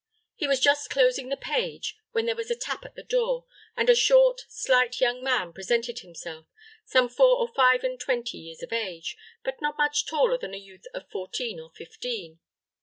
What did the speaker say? He was just closing the page, when there was a tap at the door, and a short, slight young man presented himself, some four or five and twenty years of age, but not much taller than a youth of fourteen or fifteen.